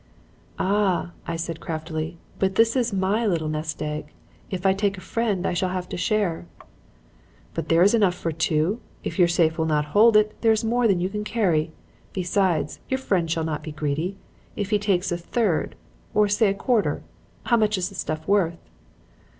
"'Ah!' I said craftily, 'but this is my little nest egg. If I take a friend I shall have to share.' "'But there is enough for two. If your safe will not hold it, there is more than you can carry. Besides, your friend shall not be greedy. If he takes a third or say a quarter? How much is the stuff worth?'